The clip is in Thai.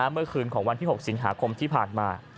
เมื่อคืนของวันที่๖สิงหาคมที่ผ่านมา